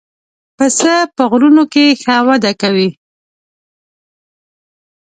پسه په غرونو کې ښه وده کوي.